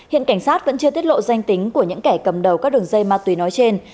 hiện cảnh sát vẫn chưa tiết lộ danh tính của những kẻ cầm đầu các đường dây ma túy nói trên